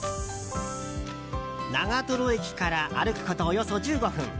長瀞駅から歩くことおよそ１５分。